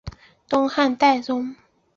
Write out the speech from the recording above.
东汉侍中。